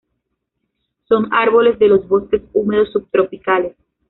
Son árboles de los bosques húmedos subtropicales.